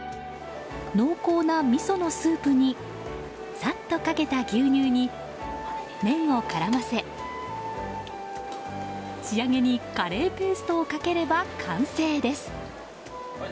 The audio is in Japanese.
濃厚なみそのスープにさっとかけた牛乳に、麺を絡ませ仕上げにカレーペーストをかければ完成です。